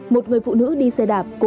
một người phụ nữ đi xe đạp cố thủy